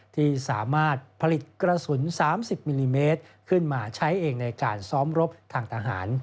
ที่สามารถผลิตกระสุน๓๐มิลลิเมตรขึ้นมาใช้เองในการซ้อมรบทางทหาร